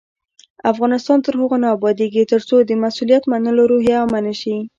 افغانستان تر هغو نه ابادیږي، ترڅو د مسؤلیت منلو روحیه عامه نشي.